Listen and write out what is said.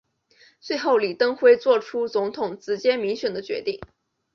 最后李登辉做出总统直接民选的决定。